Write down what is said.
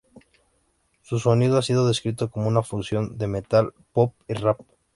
Su sonido ha sido descrito como una fusión de "metal", pop y rap.